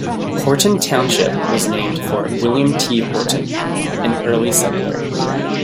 Horton Township was named for William T. Horton, an early settler.